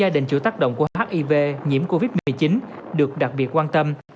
định chủ tác động của hiv nhiễm covid một mươi chín được đặc biệt quan tâm